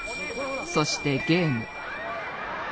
そしてゲーム。